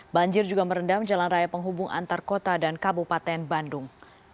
banjir juga merendam jalan raya penghubung antar kota dan kabupaten bandung